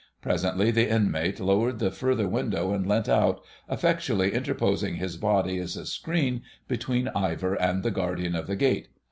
Presently the inmate lowered the further window and leant out, effectually interposing his body as a screen between Ivor and the guardian of the gate.